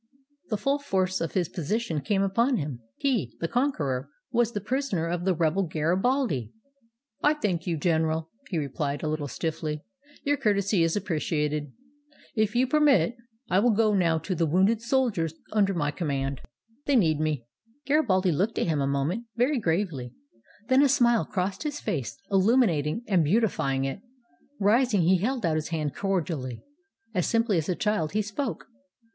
The full force of his position came upon him. He — the conqueror — was the prisoner of the rebel Garibaldi ! ''I thank you. General," he replied, a little stiflfly. "Your courtesy is appreciated. If you permit, I will go 137 ITALY now to the wounded soldiers under my command. They need me." Garibaldi looked at him a moment, very gravely. Then a smile crossed his face, illuminating and beauti fying it. Rising, he held out his hand cordially. As sim ply as a child he spoke.